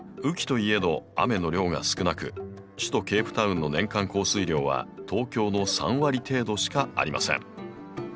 雨季といえど雨の量が少なく首都ケープタウンの年間降水量は東京の３割程度しかありません。